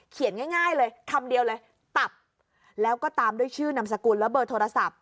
ง่ายเลยคำเดียวเลยตับแล้วก็ตามด้วยชื่อนามสกุลและเบอร์โทรศัพท์